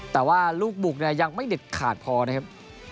แต่ว่าลูกบุกเนี่ยยังไม่เด็ดขาดพอนะครับ